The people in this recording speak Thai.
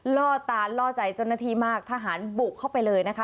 ล่อตาลล่อใจจนนทีมากทหารบุกเข้าไปเลยนะคะ